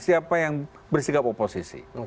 siapa yang bersikap oposisi